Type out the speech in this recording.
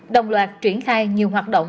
đồng loạt chuyển khai nhiều hoạt động